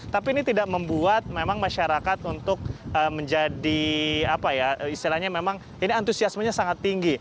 tapi ini tidak membuat memang masyarakat untuk menjadi apa ya istilahnya memang ini antusiasmenya sangat tinggi